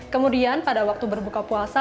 kemudian pada waktu berbuka puasa